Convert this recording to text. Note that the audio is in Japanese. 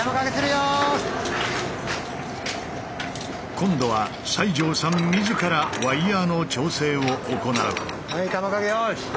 今度は西城さん自らワイヤーの調整を行う。